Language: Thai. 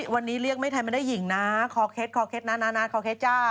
วันนี้เรียกไม่แทนน่ะหญิงนะคอเค็ดมานานาคอเค็ดจ้า